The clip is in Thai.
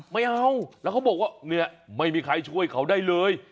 ไม่เอาแล้วเขาบอกว่าเนี่ยไม่มีใครช่วยเขาได้เลย